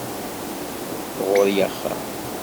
Ɣur-i axxam